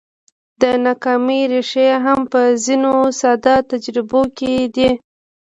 د ناکامۍ ريښې هم په ځينو ساده تجربو کې دي.